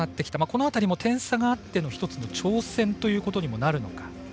この辺りも点差があっての１つの挑戦ということになるのか。